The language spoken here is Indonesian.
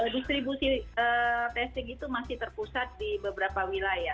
distribusi testing itu masih terpusat di beberapa wilayah